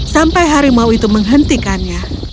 sampai harimau itu menghentikannya